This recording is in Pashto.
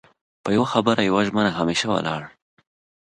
په يو خبره يوه ژمنه همېشه ولاړ